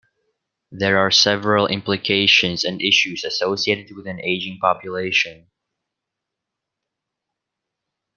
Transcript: There are several implications and issues associated with an aging population.